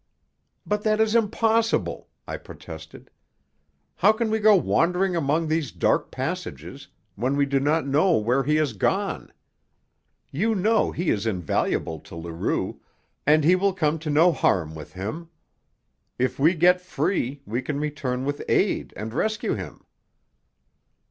"But that is impossible," I protested. "How can we go wandering among these dark passages when we do not know where he has gone? You know he is invaluable to Leroux, and he will come to no harm with him. If we get free, we can return with aid and rescue him."